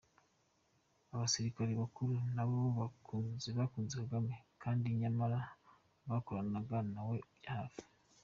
Abasilikare bakuru nabo bahunze Kagame, kandi nyamara barakoranaga na we bya hafi !